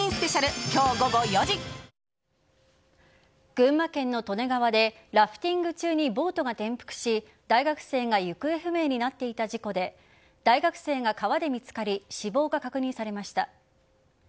群馬県の利根川でラフティング中にボートが転覆し大学生が行方不明になっていた事故で大学生が川で見つかり死亡が確認されました。